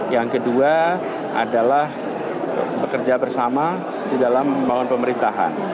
yang kedua adalah bekerja bersama di dalam membangun pemerintahan